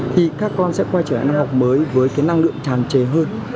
thì các con sẽ quay trở lại năm học mới với cái năng lượng tràn trề hơn